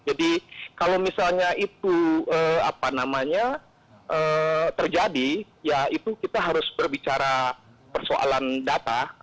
jadi kalau misalnya itu terjadi ya itu kita harus berbicara persoalan data